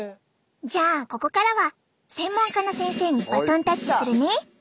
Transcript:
じゃあここからは専門家の先生にバトンタッチするね！